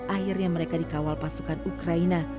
akhirnya mereka dikawal pasukan ukraina